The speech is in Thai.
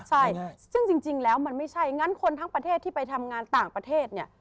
ใช่ซึ่งจริงแล้วมันไม่ใช่งั้นคนทั้งประเทศที่ไปทำงานต่างประเทศเนี่ย